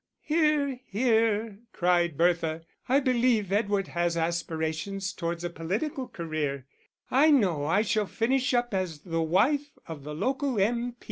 "Hear! hear!" cried Bertha. "I believe Edward has aspirations towards a political career. I know I shall finish up as the wife of the local M.